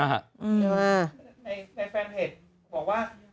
ในแฟนเพจบอกว่า